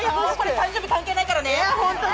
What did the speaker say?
誕生日関係ないからね！